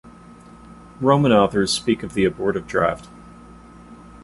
Roman authors speak of the abortive draught.